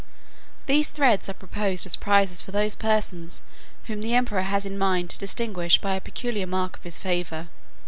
These threads are proposed as prizes for those persons whom the emperor has a mind to distinguish by a peculiar mark of his favour.